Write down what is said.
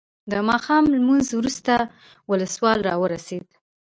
د ماښام لمونځ وروسته ولسوال راورسېد.